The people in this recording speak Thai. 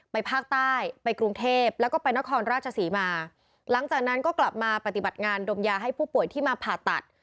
ภาคใต้ไปกรุงเทพแล้วก็ไปนครราชศรีมาหลังจากนั้นก็กลับมาปฏิบัติงานดมยาให้ผู้ป่วยที่มาผ่าตัด